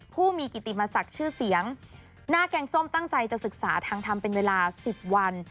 ผู้มีกิติมศักดิ์ชื่อเสียงหน้าแกงส้มตั้งใจจะศึกษาทางทำเป็นเวลา๑๐วัน